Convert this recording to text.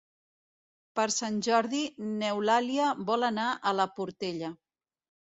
Per Sant Jordi n'Eulàlia vol anar a la Portella.